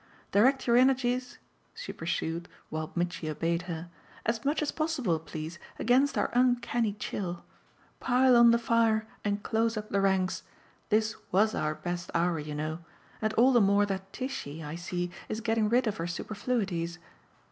Direct your energies," she pursued while Mitchy obeyed her, "as much as possible, please, against our uncanny chill. Pile on the fire and close up the ranks; this WAS our best hour, you know and all the more that Tishy, I see, is getting rid of her superfluities.